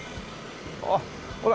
おっほら